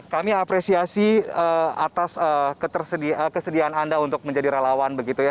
kami apresiasi atas kesediaan anda untuk menjadi relawan begitu ya